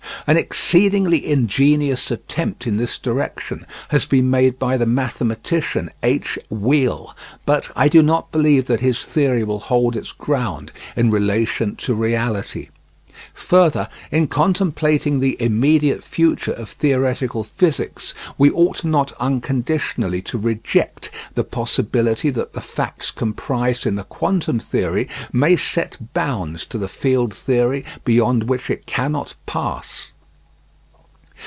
An exceedingly ingenious attempt in this direction has been made by the mathematician H. Weyl; but I do not believe that his theory will hold its ground in relation to reality. Further, in contemplating the immediate future of theoretical physics we ought not unconditionally to reject the possibility that the facts comprised in the quantum theory may set bounds to the field theory beyond which it cannot pass.